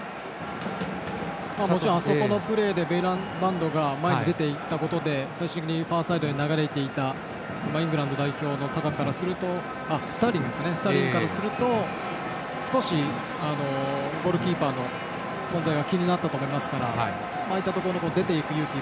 あそこのプレーでベイランバンドが前に出て行ったことでファーサイドに流れていたイングランド代表のスターリングからすると少しゴールキーパーの存在は気になったと思いますからああいったところで出て行く勇気。